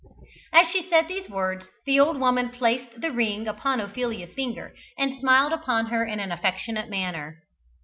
As she said these words the old woman placed the ring upon Ophelia's finger, and smiled upon her in an affectionate manner.